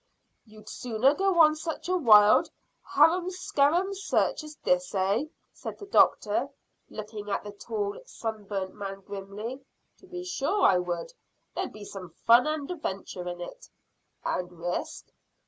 "You'd sooner go on such a wild, harum scarum search as this, eh?" said the doctor, looking at the tall, sun burnt man grimly. "To be sure I would. There'd be some fun and adventure in it." "And risk."